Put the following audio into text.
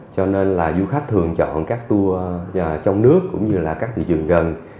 cho nên là du khách thường chọn các tour trong nước cũng như là các thị trường gần